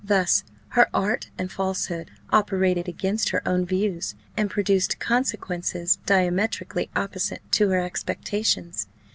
Thus her art and falsehood operated against her own views, and produced consequences diametrically opposite to her expectations.